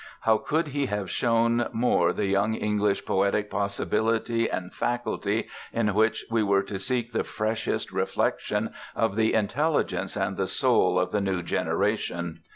How could he have shown more the young English poetic possibility and faculty in which we were to seek the freshest reflection of the intelligence and the soul of the new generation?